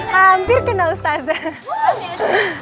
hampir kena ustazah